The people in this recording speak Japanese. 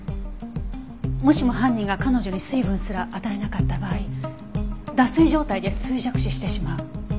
もしも犯人が彼女に水分すら与えなかった場合脱水状態で衰弱死してしまう。